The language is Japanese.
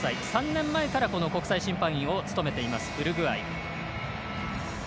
３年前からこの国際審判員を務めています、ウルグアイ。